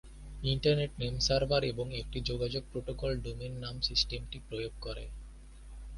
Internet name server এবং একটি যোগাযোগ প্রোটোকল ডোমেন নাম সিস্টেমটি প্রয়োগ করে।